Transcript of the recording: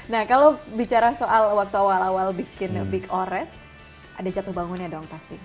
nah kalau bicara soal waktu awal awal bikin big oret ada jatuh bangunnya dong pasti